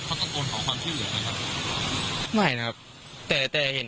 เขาตะโกนขอความช่วยเหลือไหมครับไม่นะครับแต่แต่เห็น